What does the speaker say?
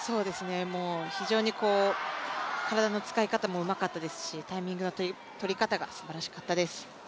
もう非常に体の使い方もうまかったですしタイミングの取り方がすばらしかったです。